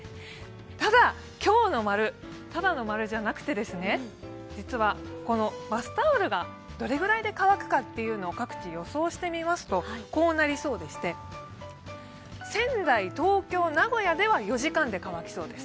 ただ、今日の○、ただの○じゃなくて実はバスタオルがどれぐらいで乾くかというのを各地予想してみますと、こうなりそうでして、仙台、東京、名古屋では４時間で乾きそうです。